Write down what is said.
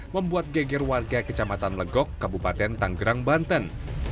membuat geger warga kecamatan legok kabupaten tanggerang banten